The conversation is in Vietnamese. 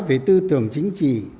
với tư tưởng chính trị